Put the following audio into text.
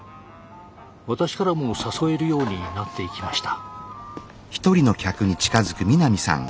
私からも誘えるようになっていきました。